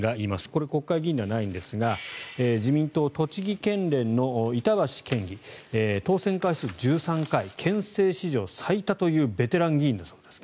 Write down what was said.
これ、国会議員ではないんですが自民党栃木県連の板橋県議当選回数１３回県政史上最多というベテラン議員だそうです。